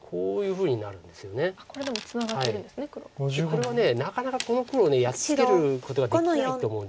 これはなかなかこの黒をやっつけることができないと思うんです。